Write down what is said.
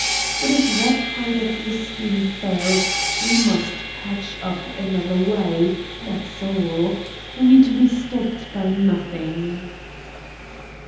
But if that part of the scheme fails, we must patch up another way, that's all. I mean to be stopped by nothing."